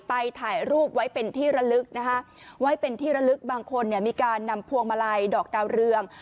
ถ่ายรูปไว้เป็นที่ระลึกนะคะไว้เป็นที่ระลึกบางคนเนี่ยมีการนำพวงมาลัยดอกดาวเรือง